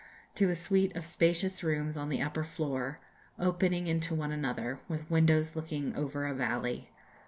to a suite of spacious rooms on the upper floor, opening into one another, with windows looking over a valley.